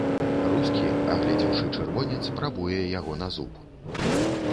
Рускі, агледзеўшы чырвонец, прабуе яго на зуб.